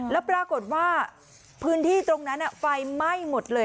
แล้วปรากฏว่าพื้นที่ตรงนั้นไฟไหม้หมดเลย